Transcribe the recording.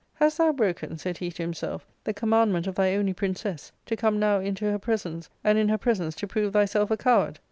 Hast thou broken," said he to himself, " the commandment of thy only princess, to come now into her presence, and in her presence to prove thyself a coward